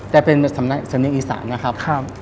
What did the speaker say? แต่เป็นสำนักอีสานนะครับ